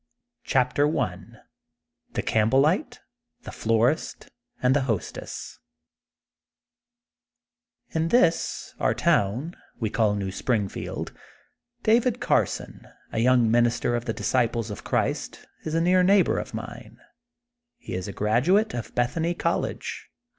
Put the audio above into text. GQAFTEB I THB GAMPBBLLITB, THB FLORIST AND THB H08TB88 In this, our town, we call New Spring field, '' David Carson, a young minister of the Disciples of Christ is a near neighbor of mine. He is a graduate of Bethany College.